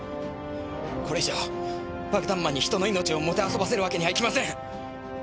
これ以上爆弾魔に人の命をもてあそばせるわけにはいきません！